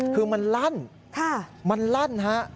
คือมันลั่นมันลั่นฮะ